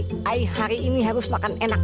hi hari ini harus makan enak